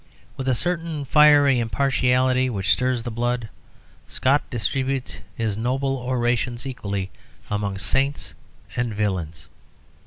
With a certain fiery impartiality which stirs the blood, Scott distributes his noble orations equally among saints and villains.